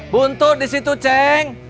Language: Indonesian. buntu di situ ceng